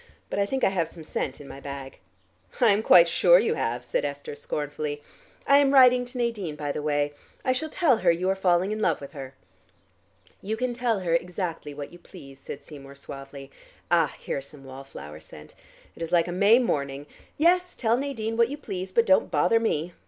But I think I have some scent in my bag." "I am quite sure you have," said Esther scornfully. "I am writing to Nadine, by the way. I shall tell her you are falling in love with her." "You can tell her exactly what you please," said Seymour suavely. "Ah, here is some wall flower scent. It is like a May morning. Yes, tell Nadine what you please, but don't bother me.